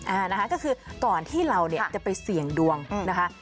อ่านะคะก็คือก่อนที่เราเนี่ยจะไปเสี่ยงดวงนะคะ